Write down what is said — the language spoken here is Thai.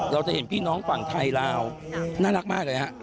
เราจะเห็นพี่น้องฝั่งไทยลาวน่ารักมากเลยฮะ